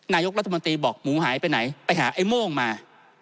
นายกรัฐมนตรีบอกหมูหายไปไหนไปหาไอ้โม่งมา